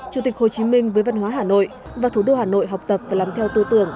chủ tịch hồ chí minh với văn hóa hà nội và thủ đô hà nội học tập và làm theo tư tưởng